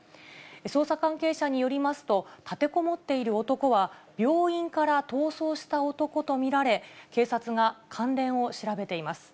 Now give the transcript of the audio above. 捜査関係者によりますと、立てこもっている男は病院から逃走した男と見られ、警察が関連を調べています。